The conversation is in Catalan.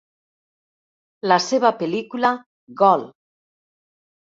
La seva pel·lícula "Gol!".